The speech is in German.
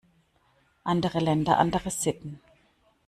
Andere Länder, andere Sitten.